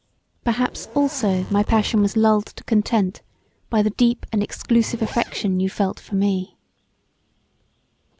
Perhaps also my passion was lulled to content by the deep and exclusive affection you felt for me.